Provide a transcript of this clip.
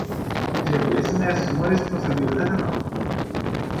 Trebuie să ne asumăm responsabilitatea noastră.